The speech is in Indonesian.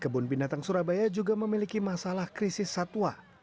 kebun binatang surabaya juga memiliki masalah krisis satwa